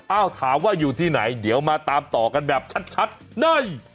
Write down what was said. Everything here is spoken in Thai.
ถามว่าอยู่ที่ไหนเดี๋ยวมาตามต่อกันแบบชัดใน